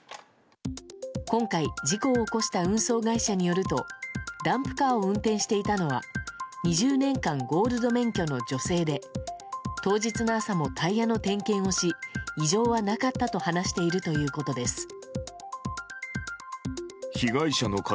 今回、事故を起こした運送会社によるとダンプカーを運転していたのは２０年間、ゴールド免許の女性で当日の朝もタイヤの点検をし異常はなかったと話しているということです。